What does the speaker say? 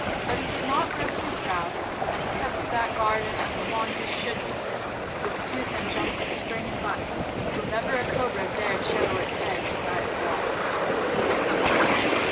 But he did not grow too proud, and he kept that garden as a mongoose should keep it, with tooth and jump and spring and bite, till never a cobra dared show its head inside the walls.